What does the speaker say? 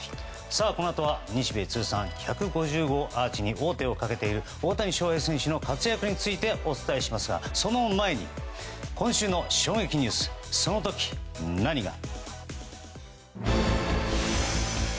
このあとは日米通算１５０号アーチに王手をかけている大谷翔平選手の活躍についてお伝えしますが、その前に今週の衝撃ニュースそのとき何が。